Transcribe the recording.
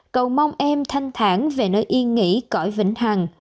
cầu mong em thanh thản về nơi yên nghỉ cõi vĩnh hằng